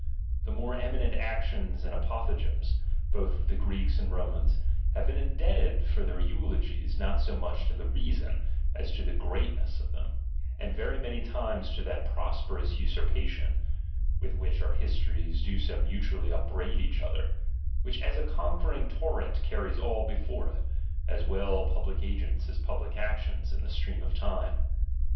The more eminent actions and apothegms, both of the Greeks and Romans, have been indebted for their eulogies not so much to the reason, as to the greatness of them ; and very many times to that prosperous usurpation, (with which our histories do so mutually upbraid each other), which as a conquering torrent carries all before it, as well public agents as public actions, in the stream of time.